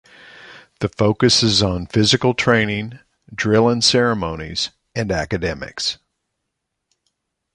The focus is on physical training, drill and ceremonies, and academics.